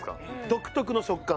独特の食感。